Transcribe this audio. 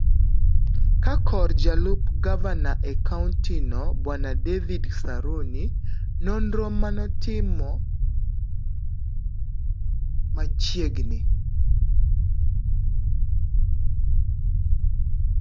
kakor jalup Gavana e kaonti no Bw.David Saruni nonro manene otim machiegni